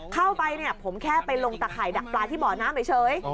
เข้าไปเนี่ยผมแค่ไปลงตะข่ายดักปลาที่บ่อน้ำเฉย